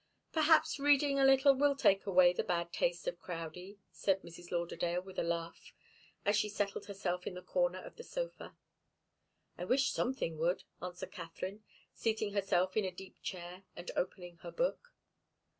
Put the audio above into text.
"Perhaps reading a little will take away the bad taste of Crowdie," said Mrs. Lauderdale, with a laugh, as she settled herself in the corner of the sofa. "I wish something would," answered Katharine, seating herself in a deep chair, and opening her book.